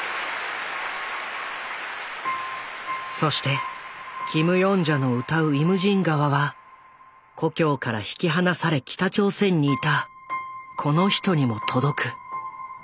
そしてキム・ヨンジャの歌う「イムジン河」は故郷から引き離され北朝鮮にいたこの人にも届く。